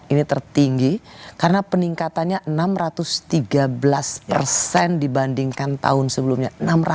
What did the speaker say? ini tertinggi karena peningkatannya enam ratus tiga belas persen dibandingkan tahun sebelumnya